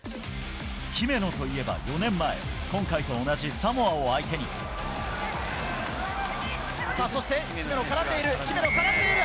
姫野といえば４年前、今回とさあ、そして姫野、絡んでいる、姫野、絡んでいる。